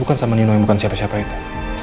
bukan sama nino yang bukan siapa siapa itu